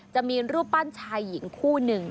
จะมีรูปปั้นชายหญิงคู่หนึ่ง